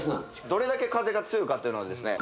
どれだけ風が強いかっていうのはですね